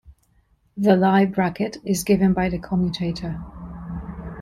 The Lie bracket is given by the commutator.